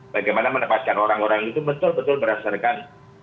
bagaimana menempatkan orang orang itu betul betul berdasarkan